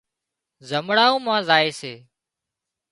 زمڙائو مان زائي سي